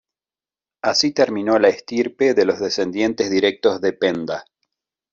Así terminó la estirpe de los descendientes directos de Penda.